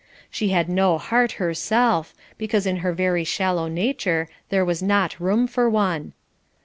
She had no heart herself, because in her very shallow nature there was not room for one.